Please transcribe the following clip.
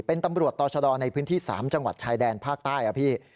เป็นตำรวจต่อชะดอในพื้นที่๓จังหวัดชายแดนภาคใต้อะพี่